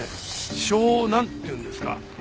ショーなんていうんですか？